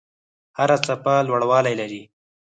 هره څپه لوړوالی لري.